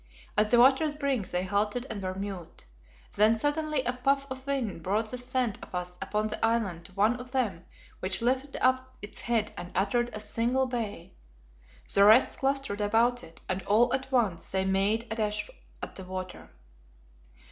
At the water's brink they halted and were mute. Then suddenly a puff of wind brought the scent of us upon the island to one of them which lifted up its head and uttered a single bay. The rest clustered about it, and all at once they made a dash at the water.